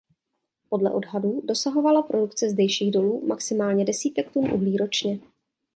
Podle odhadů dosahovala produkce zdejších dolů maximálně několik desítek tun uhlí ročně.